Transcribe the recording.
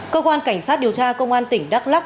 cơ quan cảnh sát điều tra công an tỉnh đắk lắc